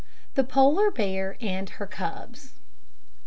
THE POLAR BEAR AND HER CUBS.